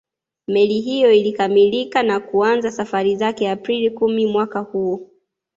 Meli hiyo ilikamilika na kuanza safari zake Aprili kumi mwaka huo